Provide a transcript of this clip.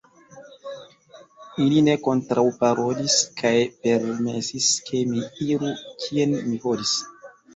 Ili ne kontraŭparolis, kaj permesis, ke mi iru, kien mi volis.